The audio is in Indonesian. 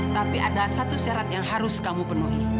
tapi ada satu syarat yang harus kamu penuhi